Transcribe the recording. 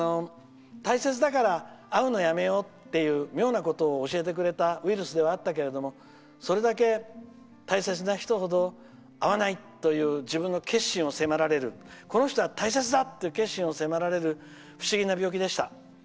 大切だから会うのをやめようという妙なことを教えてくれたウイルスではあったけれどもそれだけ大切な人ほど会わないという自分の決心を迫られるこの人は大切だと迫られる、不思議な病気でした。